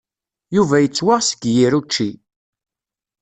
Yuba yettwaɣ seg yir učči.